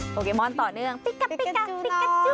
โปเกมอนต่อเนื่องพิกัดพิกัดจุ๊ย